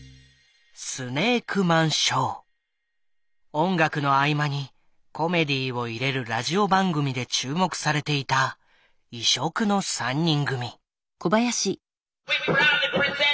音楽の合間にコメディーを入れるラジオ番組で注目されていた異色の３人組。